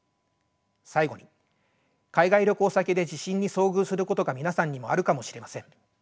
最後に海外旅行先で地震に遭遇することが皆さんにもあるかもしれません。